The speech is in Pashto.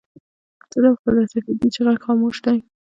څه ډول فلاسفې دي چې غږ خاموش دی.